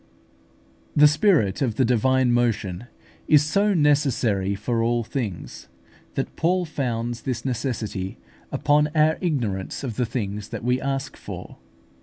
The Spirit of the divine motion is so necessary for all things, that Paul founds this necessity upon our ignorance of the things that we ask for.